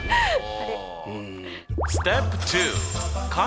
あれ？